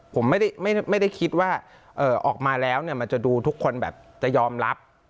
ผมไม่ได้คิดว่าออกมาแล้วมันจะดูทุกคนแบบจะยอมรับ